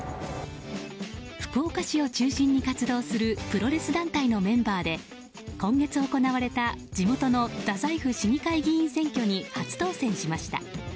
福岡市を中心に活動するプロレス団体のメンバーで今月行われた地元の太宰府市市議会選挙に初当選しました。